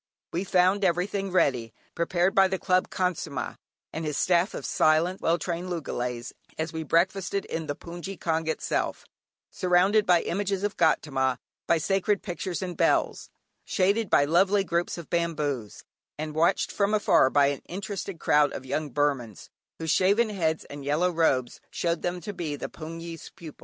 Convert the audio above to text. We found everything ready, prepared by the Club Khansamah, and his staff of silent, well trained loogalays, and we breakfasted in the "hpoongyi kyaung" itself, surrounded by images of Gaudama, by sacred pictures and bells; shaded by lovely groups of bamboos, and watched from afar by an interested crowd of young Burmans, whose shaven heads and yellow robes showed them to be the hpoongyi's pupils.